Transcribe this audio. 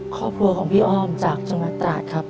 ครอบครัวของพี่อ้อมจากจังหวัดตราดครับ